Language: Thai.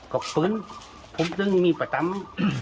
ก็ปืนพรุ่งซึ่งมีประจำ